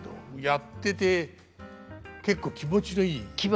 やってて結構気持ちのいい。